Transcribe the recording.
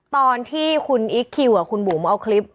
ตอนที่คุณอีคคิวกับคุณบุ๋มเอาคลิป